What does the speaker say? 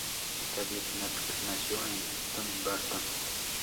David Napier nació en Dumbarton.